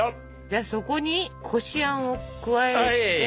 じゃあそこにこしあんを加えて。